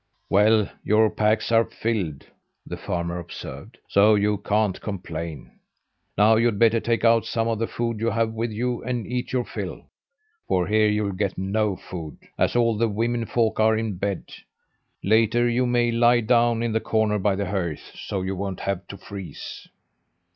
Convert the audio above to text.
"Well, your packs are filled," the farmer observed, "so you can't complain. Now you'd better take out some of the food you have with you and eat your fill, for here you'll get no food, as all the women folk are in bed. Later you may lie down in the corner by the hearth, so you won't have to freeze."